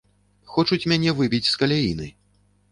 Хочуць мяне выбіць з каляіны.